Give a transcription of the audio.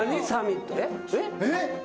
えっ？